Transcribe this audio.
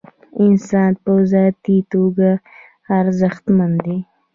انسان په ذاتي توګه ارزښتمن دی.